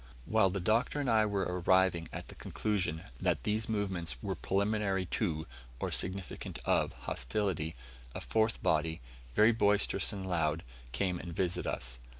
While the Doctor and I were arriving at the conclusion that these movements were preliminary to or significant of hostility, a fourth body, very boisterous and loud, came and visited us.